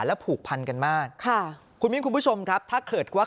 และผูกพันกันมากค่ะคุณมิ้นคุณผู้ชมครับถ้าเกิดว่า